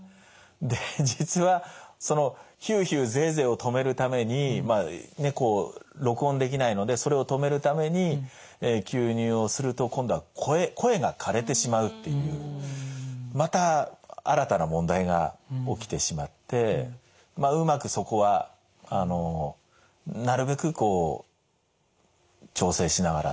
で実はそのヒューヒューゼーゼーを止めるためにまあ録音できないのでそれを止めるために吸入をすると今度は声がかれてしまうっていうまた新たな問題が起きてしまってまあうまくそこはなるべくこう調整しながらというか。